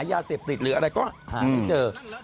ยาเสพติดหรืออะไรก็หาไม่เจอ